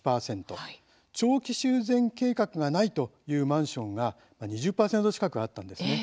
長期修繕計画がないというマンションが２０％近くあったんです。